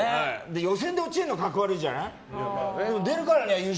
予選で落ちるの格好悪いじゃない。